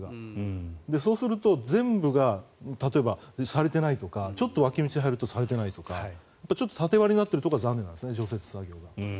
そうすると、全部が例えばされていないとかちょっと脇道に入るとされていないとか縦割りになっているところは残念なんですね、除雪作業が。